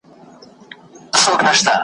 تله جومات ته بله ډله د زلميانو .